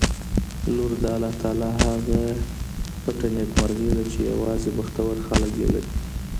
لور د الله تعالی هغه پټه نېکمرغي ده چي یوازې بختور خلک یې لري